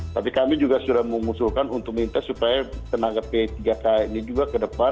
tapi kami juga sudah mengusulkan untuk minta supaya tenaga p tiga k ini juga ke depan